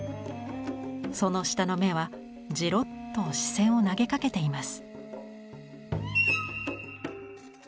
その下の目はじろっと視線を投げかけています。